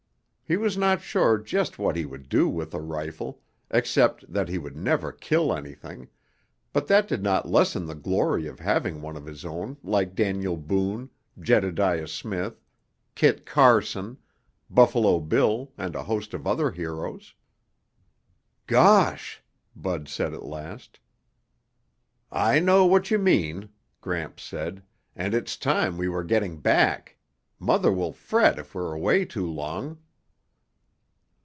He was not sure just what he would do with a rifle, except that he would never kill anything, but that did not lessen the glory of having one of his own like Daniel Boone, Jedediah Smith, Kit Carson, Buffalo Bill and a host of other heroes. "Gosh," Bud said at last. "I know what you mean," Gramps said, "and it's time we were getting back. Mother will fret if we're away too long."